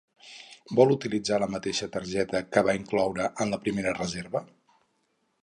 Vol utilitzar la mateixa targeta que va incloure en la primera reserva?